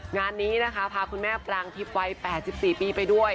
งานนี้นะคะพาคุณแม่ปรางทิพย์วัย๘๔ปีไปด้วย